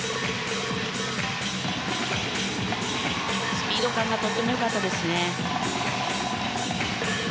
スピード感がとても良かったですね。